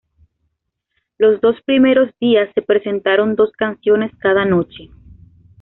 Los dos primeros días se presentaron dos canciones cada noche.